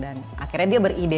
dan akhirnya dia beridea